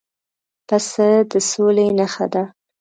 پسه د سولې نښه ده.